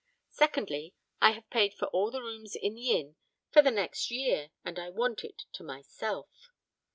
Secondly, I have paid for all the rooms in the inn for the next year, and I want it to myself.